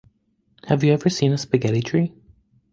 Have you ever seen a spaghetti tree?